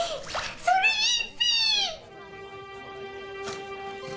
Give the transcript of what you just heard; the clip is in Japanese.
それいいっピ！